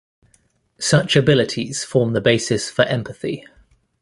Such abilities form the basis for empathy.